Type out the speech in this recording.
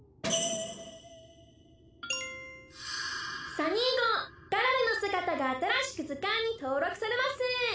サニーゴガラルのすがたが新しく図鑑に登録されます。